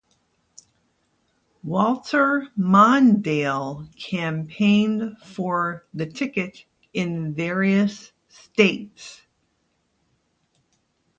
Walter Mondale campaigned for the ticket in various states.